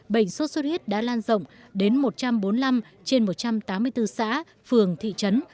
bệnh sốt xuất huyết đã lan rộng đến một trăm bốn mươi năm trên một trăm tám mươi bốn xã phường thị trấn